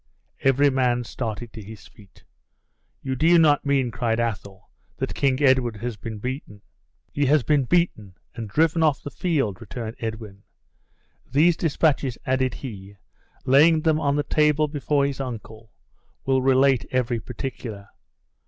Every man started to his feet. "You do not mean," cried Athol, "that King Edward has been beaten?" "He has been beaten, and driven off the field!" returned Edwin. "These dispatches," added he, laying them on the table before his uncle, "will relate every particular.